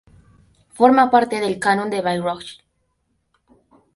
Forma parte del Canon de Bayreuth.